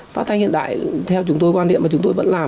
phát thanh hiện đại theo chúng tôi quan niệm mà chúng tôi vẫn làm